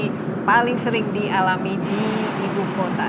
itu yang paling sering di diralami di ibukota